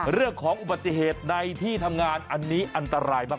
เรื่องของอุบัติเหตุในที่ทำงานอันนี้อันตรายมาก